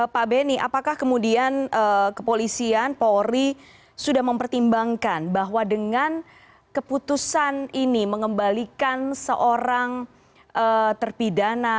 pak benny apakah kemudian kepolisian polri sudah mempertimbangkan bahwa dengan keputusan ini mengembalikan seorang terpidana